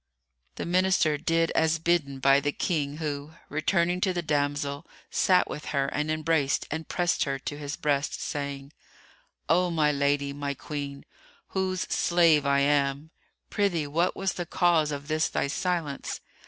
The Minister did as bidden by the King who, returning to the damsel, sat with her and embraced and pressed her to his breast, saying, "O my lady, my queen, whose slave I am, prithee what was the cause of this thy silence?